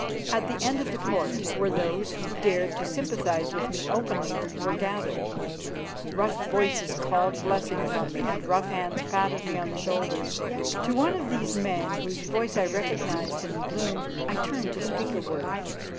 At the end of the Court, where those who dared to sympathise with me openly were gathered, rough voices called blessings on me and rough hands patted me on the shoulder. To one of these men whose voice I recognised in the gloom I turned to speak a word.